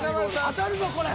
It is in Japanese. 当たるぞこれ。